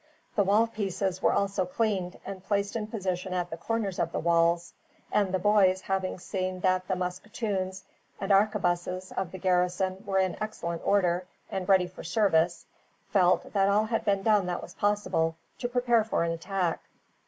The wall pieces were also cleaned, and placed in position at the corners of the walls; and the boys, having seen that the musketoons and arquebuses of the garrison were in excellent order, and ready for service, felt that all had been done that was possible to prepare for an attack.